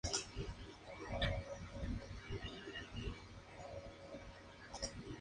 El disco sólo tuvo dos sencillos, "Overdrive" y "I Like".